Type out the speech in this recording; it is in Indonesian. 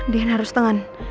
din harus tenang